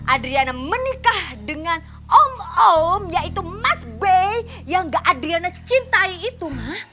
adriana menikah dengan om om yaitu mas b yang enggak adriana cintai itu ma